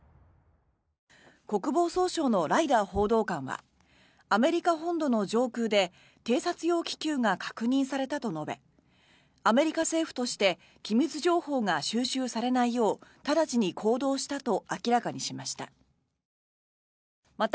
国防総省のライダー報道官はアメリカ本土の上空で偵察用気球が確認されたと述べアメリカ政府として機密情報が収集されないよう直ちに行動したと明らかにしました。